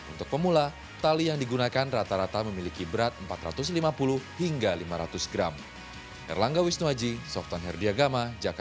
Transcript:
untuk pemula tali yang digunakan rata rata memiliki berat empat ratus lima puluh hingga lima ratus gram